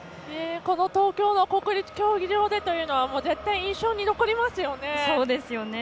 東京の国立競技場でというのは絶対、印象に残りますよね。